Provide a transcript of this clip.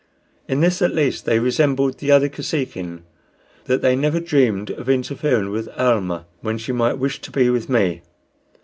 In this, at least, they resembled the other Kosekin, that they never dreamed of interfering with Almah when she might wish to be with me.